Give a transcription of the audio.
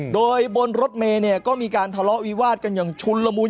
โดยบนรถเมย์เนี่ยก็มีการทะเลาะวิวาดกันอย่างชุนละมุน